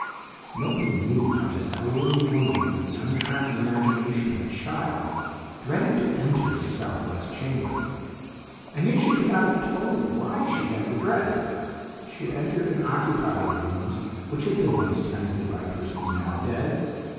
Nobody knew how this elderly woman with the untrammeled imagination of a child dreaded to enter the southwest chamber, and yet she could not have told why she had the dread. She had entered and occupied rooms which had been once tenanted by persons now dead.